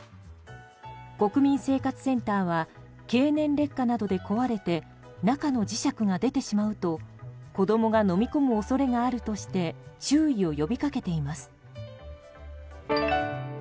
国民生活センターは経年劣化などで壊れて中の磁石が出てしまうと子供が飲み込む恐れがあるとして注意を呼び掛けています。